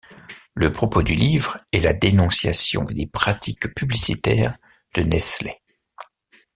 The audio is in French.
Le propos du livre est la dénonciation des pratiques publicitaires de Nestlé.